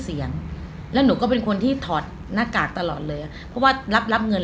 เสียงแล้วหนูก็เป็นคนที่ถอดหน้ากากตลอดเลยเพราะว่ารับรับเงิน